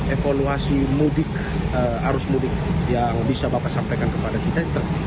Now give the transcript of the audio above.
evaluasi mudik arus mudik yang bisa bapak sampaikan kepada kita